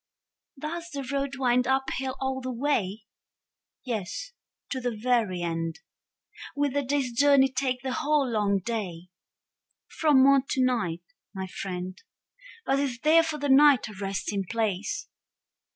Does the road wind up hill all the way? Yes, to the very end. Will the day's journey take the whole long day? From morn to night, my friend. But is there for the night a resting place?